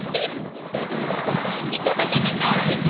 「イタタタタタ！」。